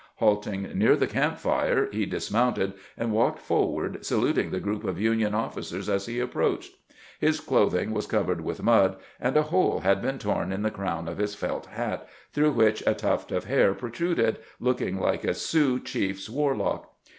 Halting near the camp fire, he dismounted and walked forward, saluting the group of Union officers as he approached. His clothing 104 CAMPAIGNING WITH GRANT "Was covered with mud, and a hole had been torn in the crown of his felt hat, through which a tuft of hair pro truded, looking like a Sioux chief's warlock.